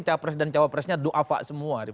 cawapres dan cawapresnya do'afa semua